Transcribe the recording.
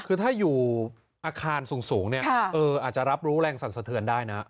คือถ้าอยู่อาคารสูงเนี่ยอาจจะรับรู้แรงสั่นสะเทือนได้นะ